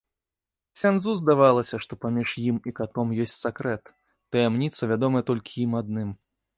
Ксяндзу здавалася, што паміж ім і катом ёсць сакрэт, таямніца, вядомая толькі ім адным.